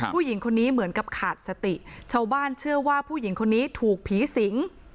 ผู้หญิงคนนี้เหมือนกับขาดสติชาวบ้านเชื่อว่าผู้หญิงคนนี้ถูกผีสิง